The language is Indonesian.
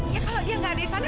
ya kalau dia nggak ada di sana